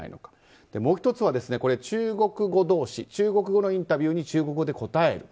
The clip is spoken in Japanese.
もう１つは、中国語同士中国語のインタビューに中国語で答える。